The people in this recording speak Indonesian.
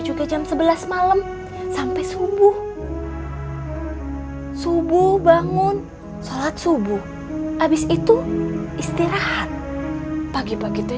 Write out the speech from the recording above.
juga jam sebelas malam sampai subuh subuh bangun sholat subuh habis itu istirahat pagi pagi itu